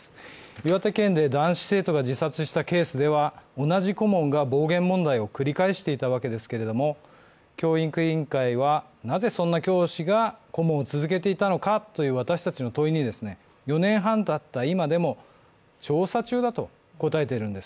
岩手県で男子生徒が自殺したケースでは同じ顧問が暴言問題を繰り返していたわけですけれども、教育委員会はなぜそんな教師が顧問を続けていたのかという私たちの問いに、４年半たった今でも調査中だと答えているんです。